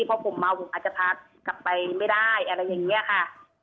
พอผมเมาผมอาจจะพากลับไปไม่ได้อะไรอย่างนี้ค่ะ